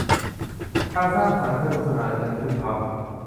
การสร้างสรรค์สนุกสนาน ฉันพึมพำ